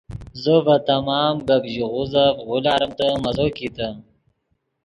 زو ڤے تمام گپ ژیغوزف غولاریمتے مزو کیتے